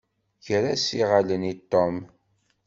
Ger-as iɣallen i Tom.